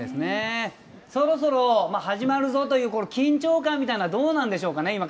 そろそろ始まるぞという緊張感みたいなのはどうなんでしょうかね。